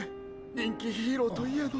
人気ヒーローといえど。